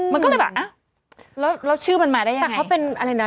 แมแล้วชื่อมาได้ยังไง